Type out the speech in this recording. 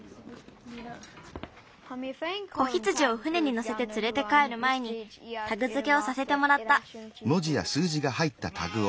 子羊をふねにのせてつれてかえるまえにタグづけをさせてもらった。